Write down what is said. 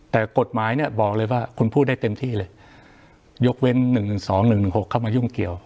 แต่กฎหมายเนี้ยบอกเลยว่าคุณพูดได้เต็มที่เลยยกเว้นหนึ่งสองหนึ่งหนึ่งหกเข้ามายุ่งเกี่ยว